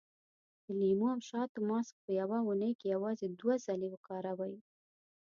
د لیمو او شاتو ماسک په يوه اونۍ کې یوازې دوه ځلې وکاروئ.